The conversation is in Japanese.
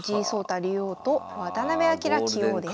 竜王と渡辺明棋王です。